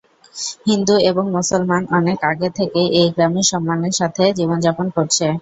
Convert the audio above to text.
হিন্দু এবং মুসলমানগণ অনেক আগে থেকেই এই গ্রামে সম্মানের সাথে জীবনযাপন করছে।